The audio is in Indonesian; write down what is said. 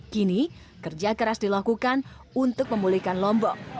kini kerja keras dilakukan untuk memulihkan lombok